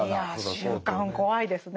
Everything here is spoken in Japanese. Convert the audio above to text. いや習慣怖いですねぇ。